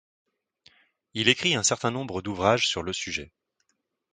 Il écrit un certain nombre d'ouvrages sur le sujet.